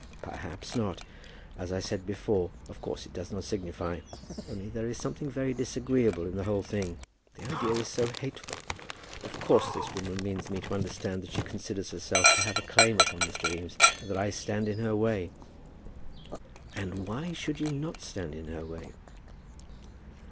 "Perhaps not. As I said before, of course it does not signify; only there is something very disagreeable in the whole thing. The idea is so hateful! Of course this woman means me to understand that she considers herself to have a claim upon Mr. Eames, and that I stand in her way." "And why should you not stand in her way?"